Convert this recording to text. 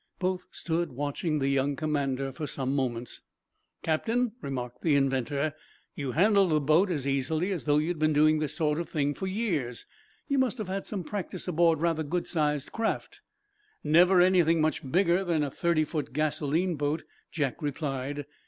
Both stood watching the young commander for some moments. "Captain," remarked the inventor, "you handle the boat as easily as though you had been doing this sort of thing for years. You must have had some practice aboard rather goodsized craft?" "Never anything much bigger than a thirty foot gasoline boat," Jack replied.